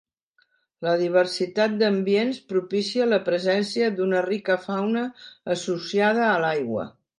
La diversitat d’ambients propicia la presència d’una rica fauna associada a l’aigua.